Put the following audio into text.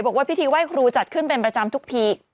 บอกว่าพิธีไหว้ครูจัดขึ้นเป็นประจำทุกพีค